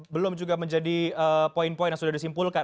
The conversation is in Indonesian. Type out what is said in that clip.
belum juga menjadi poin poin yang sudah disimpulkan